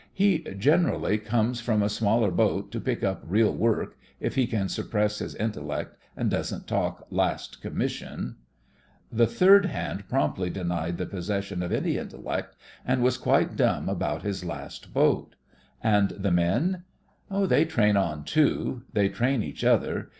"He generally comes from a smaller boat, to pick up real work — if he can suppress his intellect and doesn't talk 'last commission.'" The third hand promptly denied THE FRINGES OF THE FLEET 75 the possession of any intellect, and was quite dumb about his last boat. "And the men?" "They train on, too. They train each other.